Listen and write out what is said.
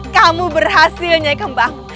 kamu berhasilnya kembang